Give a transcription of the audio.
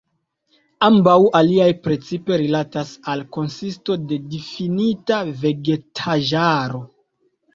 Ambaŭ aliaj precipe rilatas al konsisto de difinita vegetaĵaro.